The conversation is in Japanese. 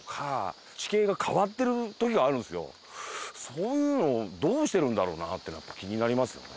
そういうのどうしてるんだろうなっていうのは気になりますよね。